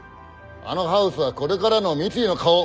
あのハウスはこれからの三井の顔。